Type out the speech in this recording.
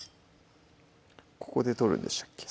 ここで取るんでしたっけ？